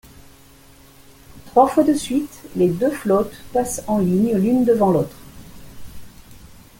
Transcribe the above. Trois fois de suite, les deux flottes passent en ligne l'une devant l'autre.